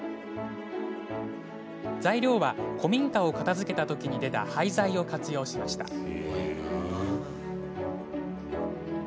材料は、古民家を片づけたときに出た廃材を活用しました。